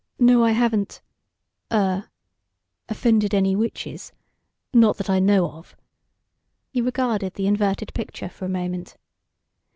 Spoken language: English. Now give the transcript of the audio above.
"No, I haven't ... er, offended any witches. Not that I know of." He regarded the inverted picture for a moment.